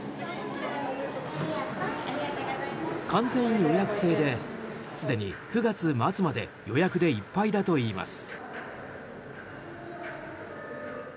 完全予約制ですでに９月末まで予約でいっぱいだといいます。